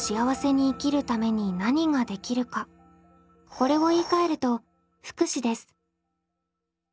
これを言いかえると福祉です。